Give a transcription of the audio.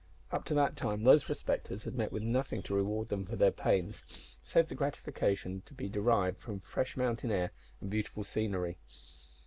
Up to that time those prospectors had met with nothing to reward them for their pains, save the gratification to be derived from fresh mountain air and beautiful scenery.